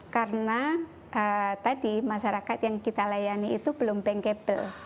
karena tadi masyarakat yang kita layani itu belum bankable